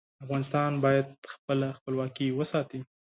افغانستان باید خپله خپلواکي وساتي.